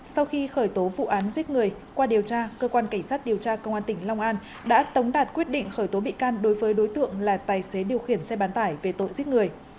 sau khi khởi tố vụ án giết người qua điều tra cơ quan cảnh sát điều tra công an tỉnh long an đã tống đạt quyết định khởi tố bị can đối với đối tượng là tài xế điều khiển xe bán tải về tội giết người